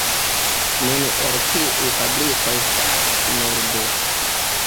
Nun el tiuj fabrikoj staras nur du.